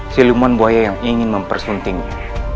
siluman buaya yang ingin mempersuntingnya